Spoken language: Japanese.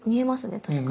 確かに。